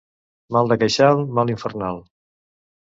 Mal de queixal, mal infernal.